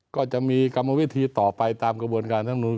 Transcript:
ก็จะมีกรรมวิธีต่อไปตามกระบวนการธรรมนุน